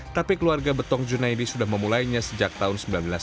tapi keluarga betong junaidi sudah memulainya sejak tahun seribu sembilan ratus sembilan puluh